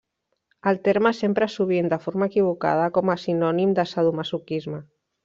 El terme s'empra sovint, de forma equivocada, com a sinònim de sadomasoquisme.